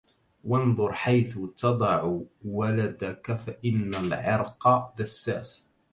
وَانْظُرْ حَيْثُ تَضَعُ وَلَدَك فَإِنَّ الْعِرْقَ دَسَّاسٌ